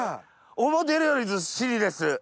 思うてるよりずっしりです。